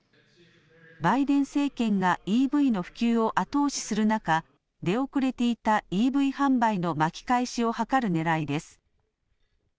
バイデン政権がＥＶの普及を後押しする中、出遅れていたＥＶ販売の巻き返しを図るねらいです。